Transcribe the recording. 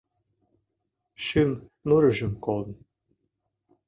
Шӱм мурыжым колын